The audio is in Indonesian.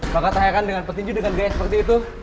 maka tak heran dengan petinju dengan gaya seperti itu